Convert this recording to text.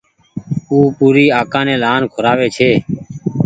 او پوري آڪآ ني لآن کورآوي ڇي